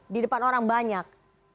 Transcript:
di depan orang banyak